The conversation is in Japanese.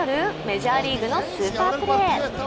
メジャーリーグのスーパープレー！